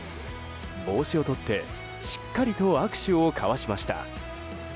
帽子をとってしっかりと握手を交わしました。